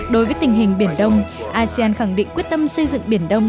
đối với tình hình biển đông asean khẳng định quyết tâm xây dựng biển đông